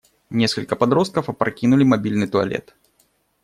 Несколько подростков опрокинули мобильный туалет.